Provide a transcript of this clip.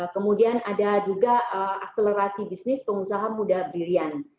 kemudian ada juga akselerasi bisnis pengusaha muda brillian